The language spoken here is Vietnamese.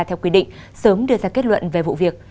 theo quy định sớm đưa ra kết luận về vụ việc